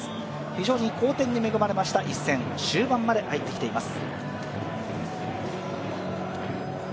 非常に好天に恵まれました一戦、終盤まで入ってきています。